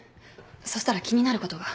そしたら気になることが。